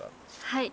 はい。